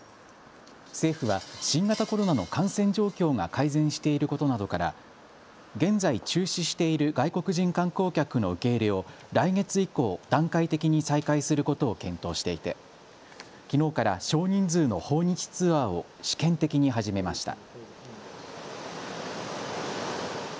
政府は新型コロナの感染状況が改善していることなどから現在、中止している外国人観光客の受け入れを来月以降、段階的に再開することを検討していてきのうから少人数の訪日ツアーを試験的に始めました。